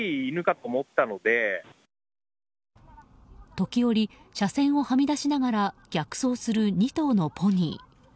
時折、車線をはみ出しながら逆走する２頭のポニー。